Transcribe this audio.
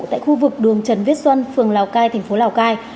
tại khu vực đường trần viết xuân phường lào cai thành phố lào cai